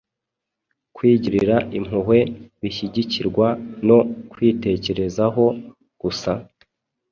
Kwigirira impuhwe bishyigikirwa no kwitekerezaho gusa,